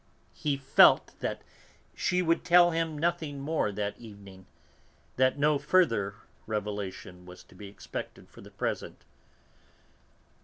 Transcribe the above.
He felt that she would tell him nothing more that evening, that no further revelation was to be expected for the present.